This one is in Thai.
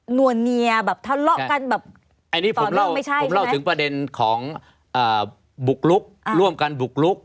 หน่วยการบรรเงียบ